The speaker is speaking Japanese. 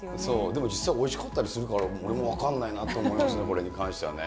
でも実はおいしかったりするから、俺も分かんないなと思いますね、これに関してはね。